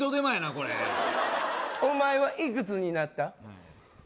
これお前はいくつになった？